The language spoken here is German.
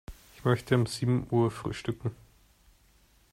Ich möchte um sieben Uhr frühstücken.